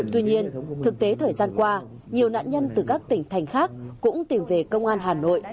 tuy nhiên thực tế thời gian qua nhiều nạn nhân từ các tỉnh thành khác cũng tìm về công an hà nội